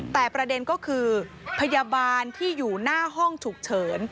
แต่ประเด็นก็คือพยาบาลที่อยู่หน้าห้องฉุกเฉิน